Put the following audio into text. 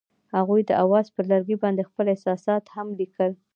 هغوی د اواز پر لرګي باندې خپل احساسات هم لیکل.